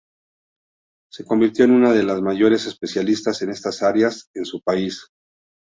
Se convirtió en una de las mayores especialistas en estas áreas en su país.